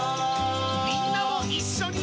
「みんなもいっしょに」